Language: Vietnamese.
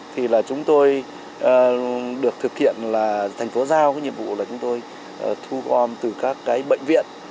thì chúng tôi được thực hiện là thành phố giao nhiệm vụ là chúng tôi thu gom từ các bệnh viện